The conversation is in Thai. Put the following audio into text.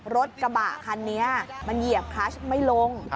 รถกระบะคันนี้มันเหยียบคลัชไม่ลง